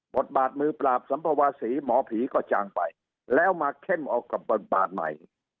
บทบาทมือปราบสัมภเวษีหมอผีก็จางไปแล้วมาเข้มเอากับบทบาทใหม่